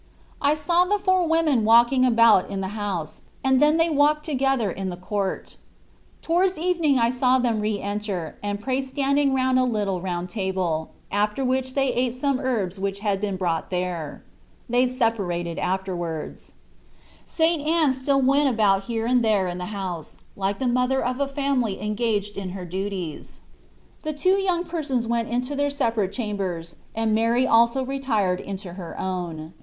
I saw the four women walking about in the house, and then walk together in the court. Towards evening I saw them re enter and pray standing round a little round table, after which they ate some herbs which had been brought there. They separated afterwards. St. Anne ur %orfc Jesus Cbrist. 19 still went about here and there in the house, like the mother of a family en gaged in her duties. The two young persons went into their separate cham bers, and Mary also retired into her own.